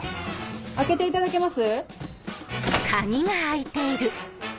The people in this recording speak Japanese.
開けていただけます？